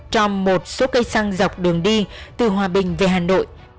cho một số cây xăng dọc đường đi từ hòa bình về hà nội